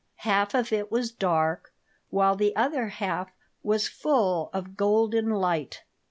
Half of it was dark, while the other half was full of golden light.